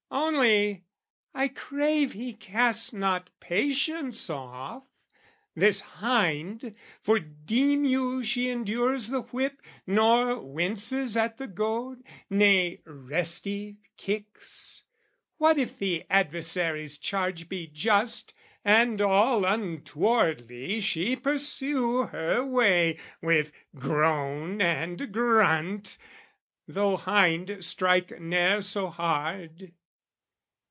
Only, I crave he cast not patience off, This hind; for deem you she endures the whip, Nor winces at the goad, nay, restive, kicks? What if the adversary's charge be just, And all untowardly she pursue her way With groan and grunt, though hind strike ne'er so hard?